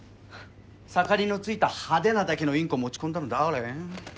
盛りのついた派手なだけのインコ持ち込んだの誰？